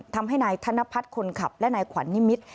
ทำให้นายธนพัฒน์คนขับและนายขวัญนิมิตร